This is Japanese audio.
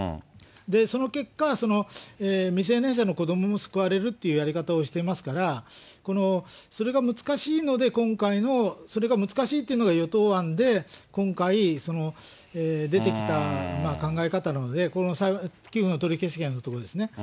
その結果、未成年者の子どもも救われるっていうやり方をしていますから、それが難しいので、今回の、それが難しいというのが与党案で、今回出てきた考え方なので、この寄付の取消権のところですね。